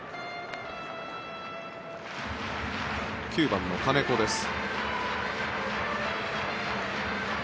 ９番の金子です。